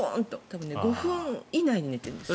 多分５分以内に寝てるんです。